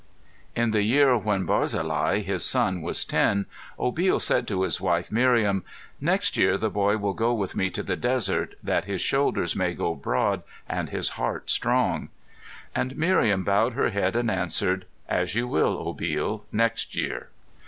In the year when Barzillai, his son, was ten, Obil said to his wife Miriam, "Next year the boy shall go with me to the desert, that his shoulders may grow broad and his heart strong." And Miriam bowed her head and answered, "As you will, Obil next year."